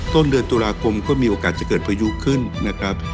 ต้นเดือนตุลาคมก็มีโอกาสจะเกิดพายุขึ้นนะครับ